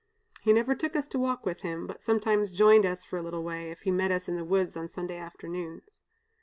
He never took us to walk with him, but sometimes joined us for a little way, if he met us in the woods on Sunday afternoons.